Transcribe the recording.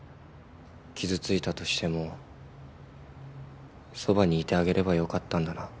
傷ついたとしてもそばにいてあげればよかったんだな。